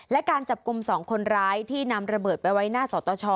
และการจับกลุ่ม๒คนร้ายที่นำระเบิดไปไว้หน้าสตช